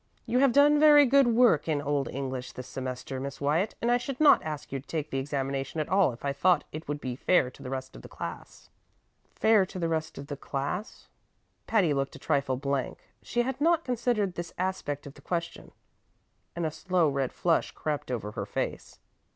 "You have done very good work in Old English this semester, Miss Wyatt, and I should not ask you to take the examination at all if I thought it would be fair to the rest of the class." "Fair to the rest of the class?" Patty looked a trifle blank; she had not considered this aspect of the question, and a slow red flush crept over her face.